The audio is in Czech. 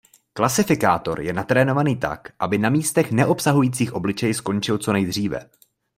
Klasifikátor je natrénovaný tak, aby na místech neobsahujících obličej skončil co nejdříve.